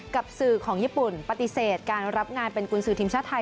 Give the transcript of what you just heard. กับสื่อของญี่ปุ่นปฏิเสธการรับงานเป็นกุญสือทีมชาติไทย